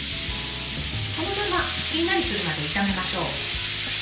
このまましんなりするまで炒めましょう。